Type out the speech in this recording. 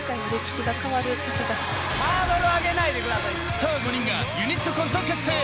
［スター５人がユニットコント結成］